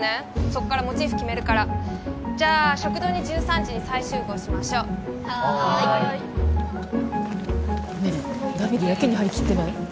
そっからモチーフ決めるからじゃあ食堂に１３時に再集合しましょうはーいねえねえダビデやけに張り切ってない？